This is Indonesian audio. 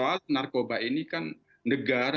di mana persoalan narkoba ini kan negara negara negara